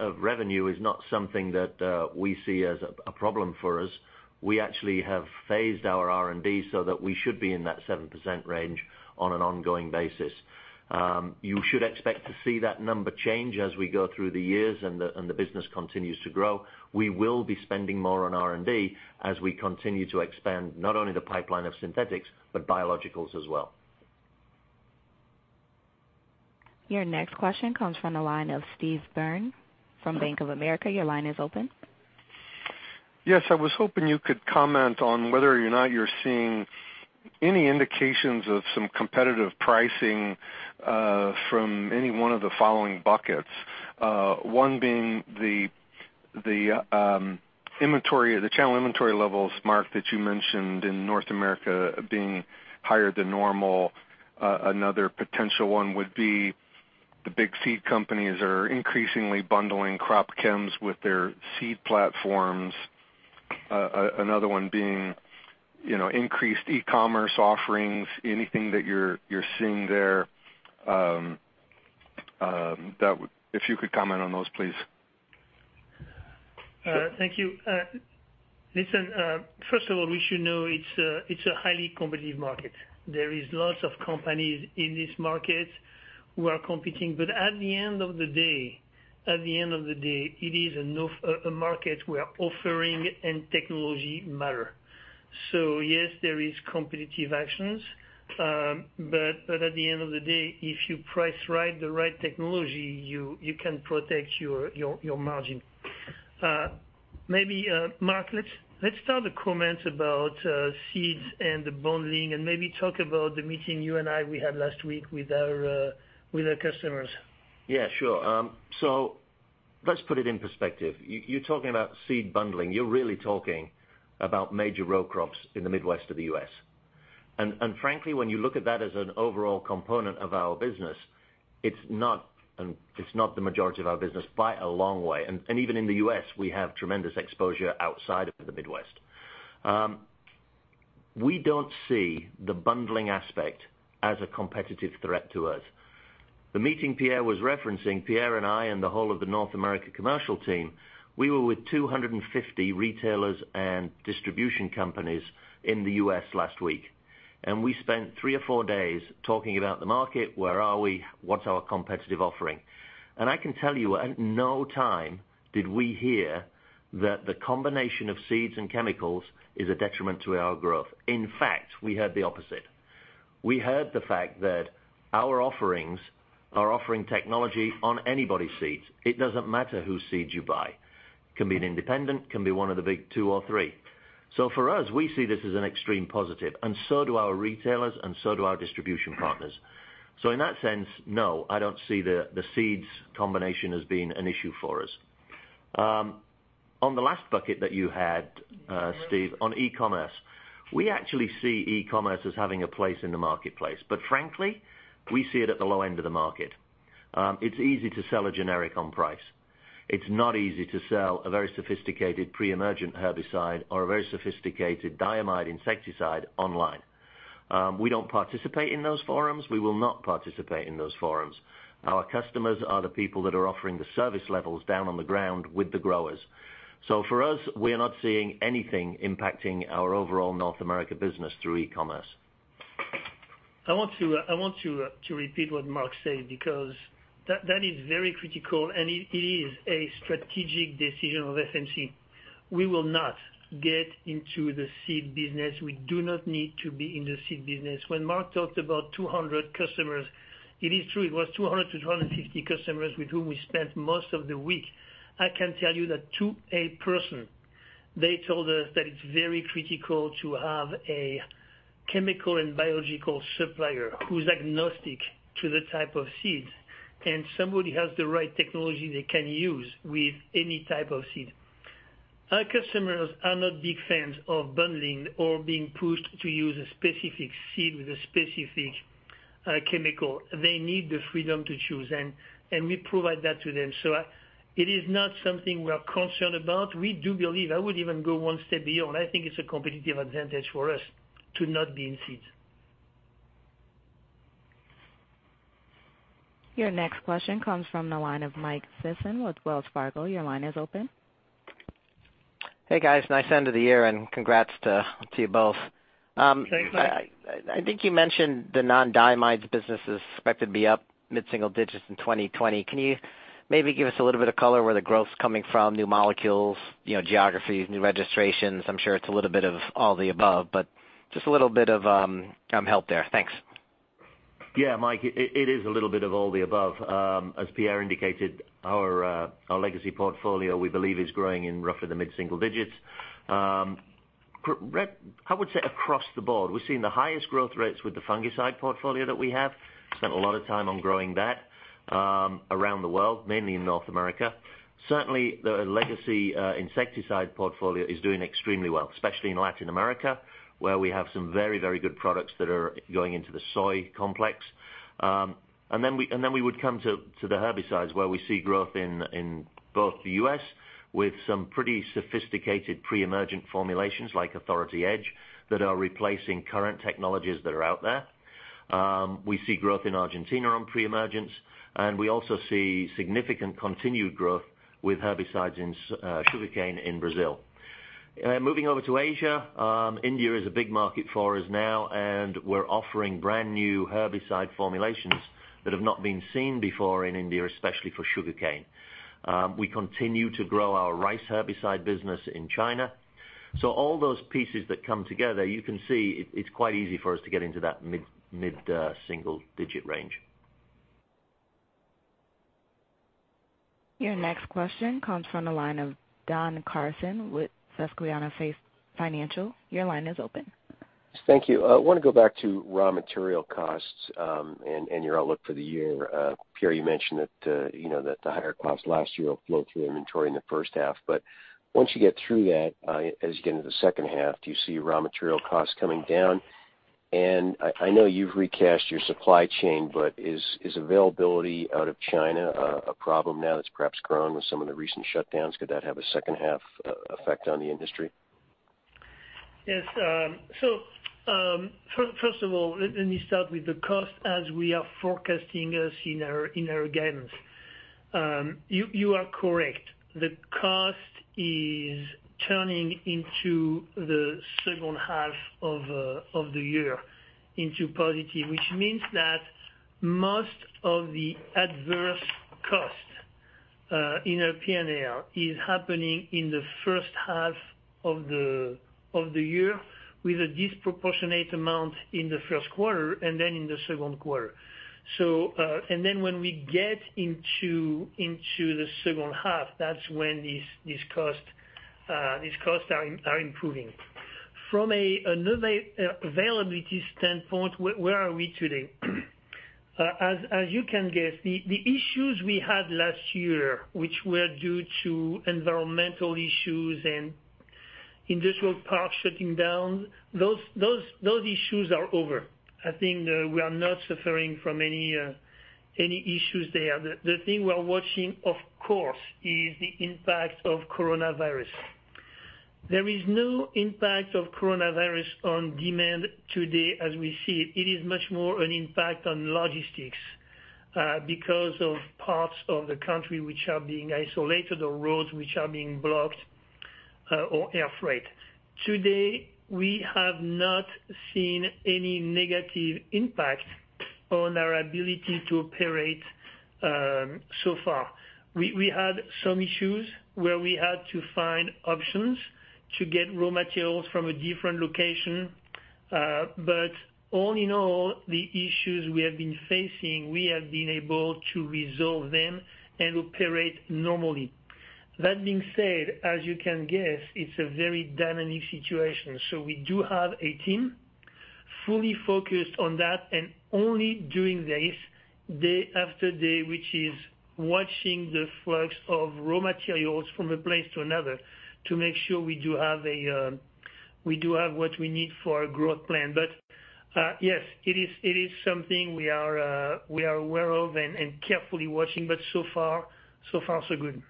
of revenue is not something that we see as a problem for us. We actually have phased our R&D so that we should be in that 7% range on an ongoing basis. You should expect to see that number change as we go through the years and the business continues to grow. We will be spending more on R&D as we continue to expand not only the pipeline of synthetics, but biologicals as well. Your next question comes from the line of Steve Byrne from Bank of America. Your line is open. Yes. I was hoping you could comment on whether or not you're seeing any indications of some competitive pricing from any one of the following buckets. One being the channel inventory levels, Mark, that you mentioned in North America being higher than normal. Another potential one would be the big seed companies are increasingly bundling crop chems with their seed platforms. Another one being increased e-commerce offerings. Anything that you're seeing there, if you could comment on those, please. Thank you. Listen, first of all, we should know it's a highly competitive market. There is lots of companies in this market who are competing. At the end of the day, it is a market where offering and technology matter. Yes, there is competitive actions. At the end of the day, if you price right the right technology, you can protect your margin. Maybe, Mark, let's start a comment about seeds and the bundling, and maybe talk about the meeting you and I, we had last week with our customers. Yeah, sure. Let's put it in perspective. You are talking about seed bundling. You are really talking about major row crops in the Midwest of the U.S. Frankly, when you look at that as an overall component of our business, it is not the majority of our business by a long way. Even in the U.S., we have tremendous exposure outside of the Midwest. We do not see the bundling aspect as a competitive threat to us. The meeting Pierre was referencing, Pierre and I, and the whole of the North America commercial team, we were with 250 retailers and distribution companies in the U.S. last week. We spent three or four days talking about the market, where are we, what is our competitive offering. I can tell you, at no time did we hear that the combination of seeds and chemicals is a detriment to our growth. In fact, we heard the opposite. We heard the fact that our offerings are offering technology on anybody's seeds. It doesn't matter whose seeds you buy. Can be an independent, can be one of the big two or three. For us, we see this as an extreme positive, and so do our retailers and so do our distribution partners. In that sense, no, I don't see the seeds combination as being an issue for us. On the last bucket that you had, Steve, on e-commerce, we actually see e-commerce as having a place in the marketplace. Frankly, we see it at the low end of the market. It's easy to sell a generic on price. It's not easy to sell a very sophisticated pre-emergent herbicide or a very sophisticated diamide insecticide online. We don't participate in those forums. We will not participate in those forums. Our customers are the people that are offering the service levels down on the ground with the growers. For us, we are not seeing anything impacting our overall North America business through e-commerce. I want to repeat what Mark said because that is very critical and it is a strategic decision of FMC. We will not get into the seed business. We do not need to be in the seed business. When Mark talked about 200 customers, it is true, it was 200-250 customers with whom we spent most of the week. I can tell you that to one person, they told us that it's very critical to have a chemical and biological supplier who's agnostic to the type of seeds, and somebody has the right technology they can use with any type of seed. Our customers are not big fans of bundling or being pushed to use a specific seed with a specific chemical. They need the freedom to choose, we provide that to them. It is not something we are concerned about. We do believe, I would even go one step beyond, I think it's a competitive advantage for us to not be in seeds. Your next question comes from the line of Mike Sison with Wells Fargo. Your line is open. Hey guys. Nice end of the year and congrats to you both. Thanks, Mike. I think you mentioned the non-diamides business is expected to be up mid-single digits in 2020. Can you maybe give us a little bit of color where the growth's coming from, new molecules, geographies, new registrations? I'm sure it's a little bit of all the above, just a little bit of help there. Thanks. Yeah, Mike, it is a little bit of all the above. As Pierre indicated, our legacy portfolio, we believe, is growing in roughly the mid-single digits. I would say across the board, we're seeing the highest growth rates with the fungicide portfolio that we have. Spent a lot of time on growing that around the world, mainly in North America. Certainly, the legacy insecticide portfolio is doing extremely well, especially in Latin America, where we have some very good products that are going into the soy complex. Then we would come to the herbicides where we see growth in both the U.S. with some pretty sophisticated pre-emergent formulations like Authority Edge that are replacing current technologies that are out there. We see growth in Argentina on pre-emergents, and we also see significant continued growth with herbicides in sugarcane in Brazil. Moving over to Asia, India is a big market for us now, and we're offering brand-new herbicide formulations that have not been seen before in India, especially for sugarcane. We continue to grow our rice herbicide business in China. All those pieces that come together, you can see it's quite easy for us to get into that mid-single digit range. Your next question comes from the line of Don Carson with Susquehanna Financial. Your line is open. Thank you. I want to go back to raw material costs, and your outlook for the year. Pierre, you mentioned that the higher costs last year will flow through inventory in the first half, but once you get through that, as you get into the second half, do you see raw material costs coming down? I know you've recast your supply chain, but is availability out of China a problem now that's perhaps grown with some of the recent shutdowns? Could that have a second half effect on the industry? First of all, let me start with the cost as we are forecasting as in our guidance. You are correct. The cost is turning into the second half of the year into positive, which means that most of the adverse cost in our P&L is happening in the first half of the year with a disproportionate amount in the first quarter and then in the second quarter. When we get into the second half, that's when these costs are improving. From another availability standpoint, where are we today? As you can guess, the issues we had last year, which were due to environmental issues and industrial parks shutting down, those issues are over. I think we are not suffering from any issues there. The thing we are watching, of course, is the impact of coronavirus. There is no impact of coronavirus on demand today as we see it. It is much more an impact on logistics, because of parts of the country which are being isolated or roads which are being blocked, or air freight. Today, we have not seen any negative impact on our ability to operate so far. We had some issues where we had to find options to get raw materials from a different location. All in all, the issues we have been facing, we have been able to resolve them and operate normally. That being said, as you can guess, it's a very dynamic situation. We do have a team fully focused on that and only doing this day after day, which is watching the flux of raw materials from a place to another to make sure we do have what we need for our growth plan. Yes, it is something we are aware of and carefully watching. So far, so good.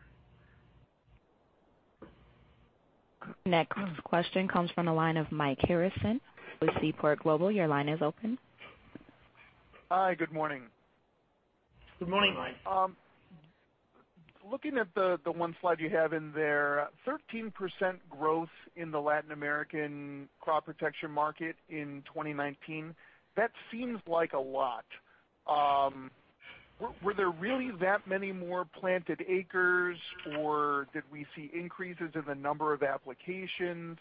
Next question comes from the line of Mike Harrison with Seaport Global. Your line is open. Hi. Good morning. Good morning, Mike. Looking at the one slide you have in there, 13% growth in the Latin American crop protection market in 2019. That seems like a lot. Were there really that many more planted acres, or did we see increases in the number of applications?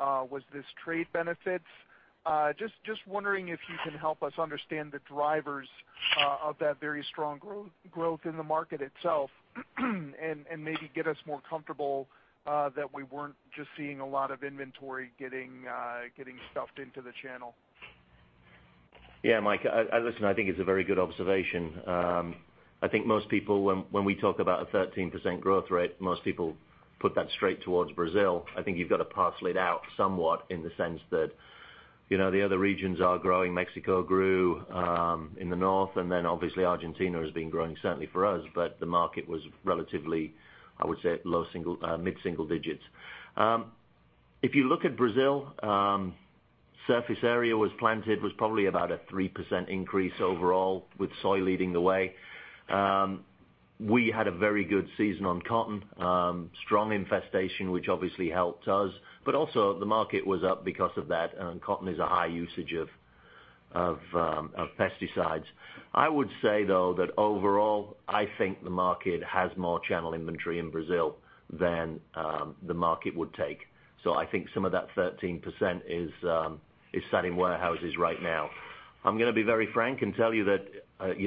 Was this trade benefits? Just wondering if you can help us understand the drivers of that very strong growth in the market itself and maybe get us more comfortable that we weren't just seeing a lot of inventory getting stuffed into the channel. Yeah, Mike, listen, I think it's a very good observation. I think most people, when we talk about a 13% growth rate, most people put that straight towards Brazil. I think you've got to parcel it out somewhat in the sense that the other regions are growing. Mexico grew in the north, and then obviously Argentina has been growing, certainly for us. The market was relatively, I would say, at mid-single digits. If you look at Brazil, surface area was planted was probably about a 3% increase overall with soy leading the way. We had a very good season on cotton. Strong infestation, which obviously helped us. Also, the market was up because of that, and cotton is a high usage of pesticides. I would say, though, that overall, I think the market has more channel inventory in Brazil than the market would take. I think some of that 13% is sat in warehouses right now. I'm going to be very frank and tell you that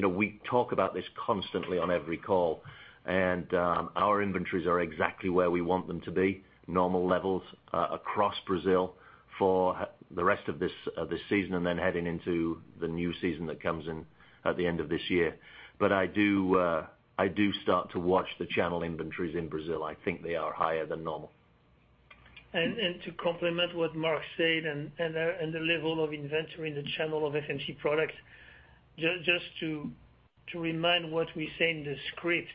we talk about this constantly on every call, and our inventories are exactly where we want them to be, normal levels across Brazil for the rest of this season and then heading into the new season that comes in at the end of this year. I do start to watch the channel inventories in Brazil. I think they are higher than normal. To complement what Mark said and the level of inventory in the channel of FMC products, just to remind what we say in the script,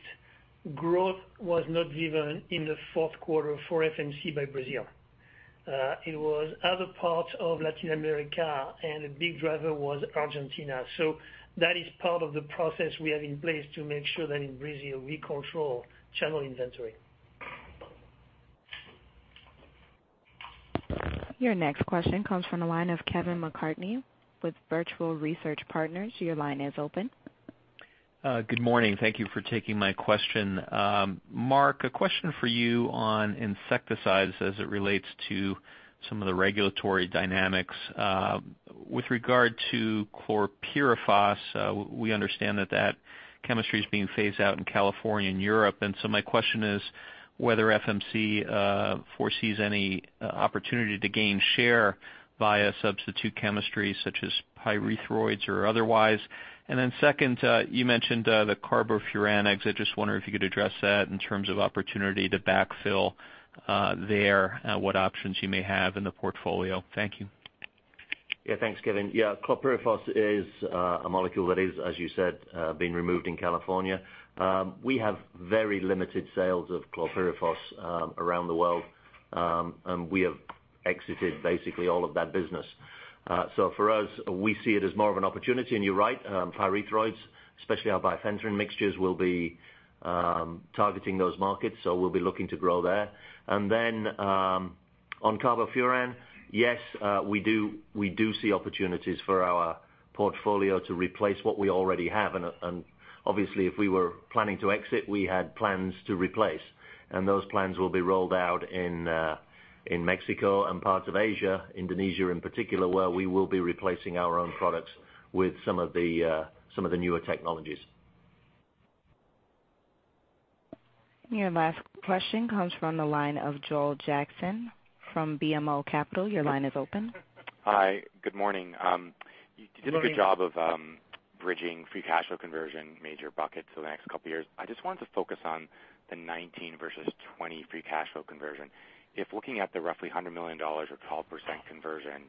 growth was not given in the fourth quarter for FMC by Brazil. It was other parts of Latin America, and a big driver was Argentina. That is part of the process we have in place to make sure that in Brazil, we control channel inventory. Your next question comes from the line of Kevin McCarthy with Vertical Research Partners. Your line is open. Good morning. Thank you for taking my question. Mark, a question for you on insecticides as it relates to some of the regulatory dynamics. With regard to chlorpyrifos, we understand that chemistry is being phased out in California and Europe. My question is whether FMC foresees any opportunity to gain share via substitute chemistry such as pyrethroids or otherwise. Second, you mentioned the carbofurans. I just wonder if you could address that in terms of opportunity to backfill there, what options you may have in the portfolio. Thank you. Thanks, Kevin. Chlorpyrifos is a molecule that is, as you said, being removed in California. We have very limited sales of chlorpyrifos around the world. We have exited basically all of that business. For us, we see it as more of an opportunity, and you're right, pyrethroids, especially our bifenthrin mixtures, will be targeting those markets, so we'll be looking to grow there. On carbofuran, yes, we do see opportunities for our portfolio to replace what we already have. Obviously, if we were planning to exit, we had plans to replace. Those plans will be rolled out in Mexico and parts of Asia, Indonesia in particular, where we will be replacing our own products with some of the newer technologies. Your last question comes from the line of Joel Jackson from BMO Capital. Your line is open. Hi. Good morning. Good morning. You did a good job of bridging free cash flow conversion major buckets for the next couple of years. I just wanted to focus on the 2019 versus 2020 free cash flow conversion. If looking at the roughly $100 million or 12% conversion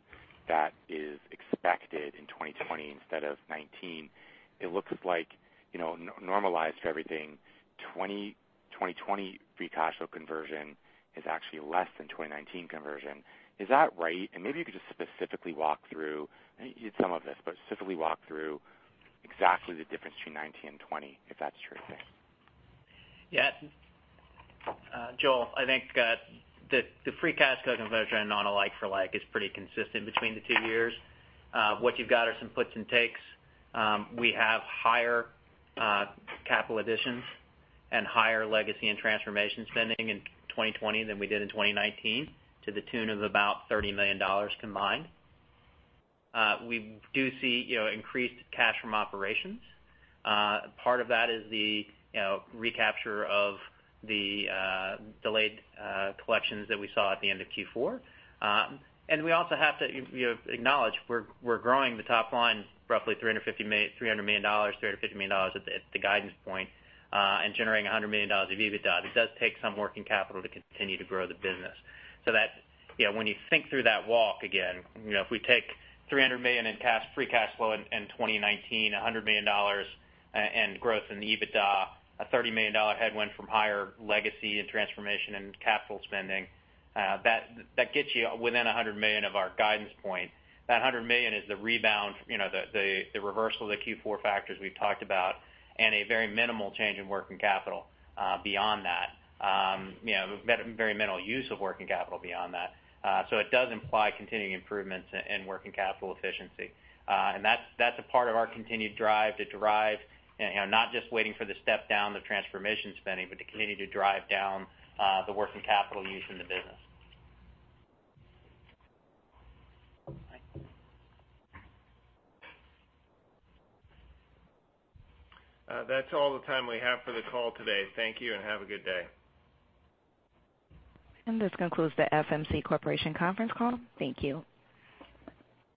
that is expected in 2020 instead of 2019, it looks like, normalized for everything, 2020 free cash flow conversion is actually less than 2019 conversion. Is that right? Maybe you could just specifically walk through, I know you did some of this, but specifically walk through exactly the difference between 2019 and 2020, if that's true, thanks. Yeah. Joel, I think the free cash flow conversion on a like for like is pretty consistent between the two years. What you've got are some puts and takes. We have higher capital additions and higher legacy and transformation spending in 2020 than we did in 2019 to the tune of about $30 million combined. We do see increased cash from operations. Part of that is the recapture of the delayed collections that we saw at the end of Q4. We also have to acknowledge we're growing the top line roughly $300 million, $350 million at the guidance point, and generating $100 million of EBITDA. It does take some working capital to continue to grow the business. When you think through that walk again, if we take $300 million in free cash flow in 2019, $100 million in growth in the EBITDA, a $30 million headwind from higher legacy and transformation and capital spending, that gets you within $100 million of our guidance point. That $100 million is the rebound, the reversal of the Q4 factors we've talked about, and a very minimal change in working capital beyond that. Very minimal use of working capital beyond that. It does imply continuing improvements in working capital efficiency. That's a part of our continued drive, not just waiting for the step down of transformation spending, but to continue to drive down the working capital use in the business. Thanks. That's all the time we have for the call today. Thank you and have a good day. This concludes the FMC Corporation conference call. Thank you.